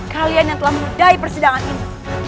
kalian yang telah mengudai persidangan ini